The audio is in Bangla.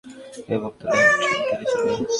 এক বোতলে এক ড্রপ দিলেই চলবে।